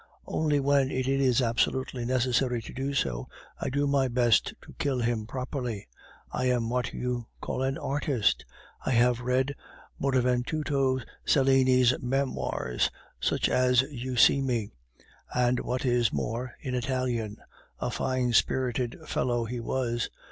"Only when it is absolutely necessary to do so, I do my best to kill him properly. I am what you call an artist. I have read Benvenuto Cellini's Memoirs, such as you see me; and, what is more, in Italian: A fine spirited fellow he was!